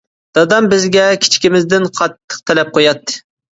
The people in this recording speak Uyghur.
دادام بىزگە كىچىكىمىزدىن قاتتىق تەلەپ قۇياتتى.